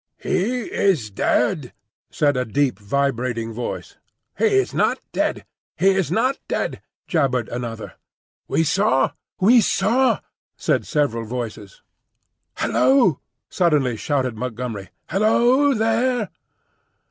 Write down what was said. "He is dead," said a deep, vibrating voice. "He is not dead; he is not dead," jabbered another. "We saw, we saw," said several voices. "Hul lo!" suddenly shouted Montgomery, "Hullo, there!"